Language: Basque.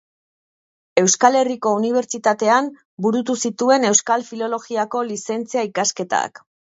Euskal Herriko Unibertsitatean burutu zituen Euskal Filologiako lizentzia ikasketak.